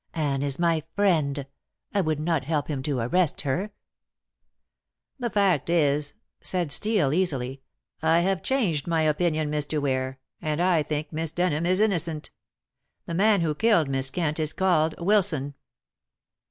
"Anne is my friend. I would not help him to arrest her." "The fact is," said Steel easily, "I have changed my opinion, Mr. Ware, and I think Miss Denham is innocent. The man who killed Miss Kent is called Wilson."